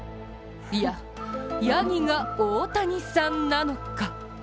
いや、やぎが大谷さんなのか？